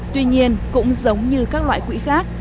tuy nhiên cũng giống như các loại quỹ khác